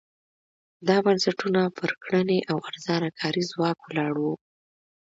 دا بنسټونه پر کرنې او ارزانه کاري ځواک ولاړ وو.